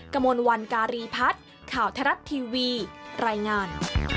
กระมวลวันการีพัฒน์ข่าวทรัฐทีวีรายงาน